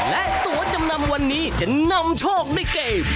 และตัวจำนำวันนี้จะนำโชคในเกม